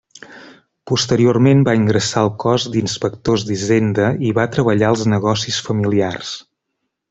Posteriorment va ingressar al cos d'inspectors d'hisenda i va treballar als negocis familiars.